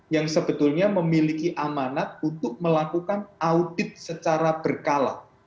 yang sebetulnya memiliki amanat untuk melakukan audit secara berkala